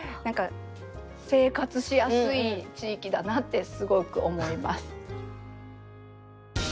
何か生活しやすい地域だなってすごく思います。